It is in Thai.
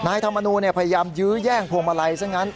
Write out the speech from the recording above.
ธรรมนูลพยายามยื้อแย่งพวงมาลัยซะงั้น